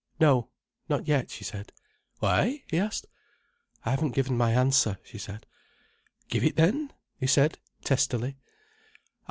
"No, not yet," she said. "Why?" he asked. "I haven't given my answer," she said. "Give it then," he said, testily.